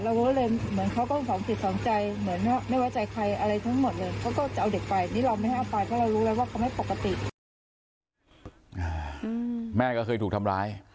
แล้วเลยเหมือนเขาก็ผงผิดสองใจเหมือนไม่ว่าใจใครอะไรทั้งหมดเลย